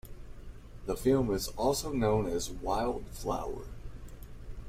The film is also known as "Wild Flower".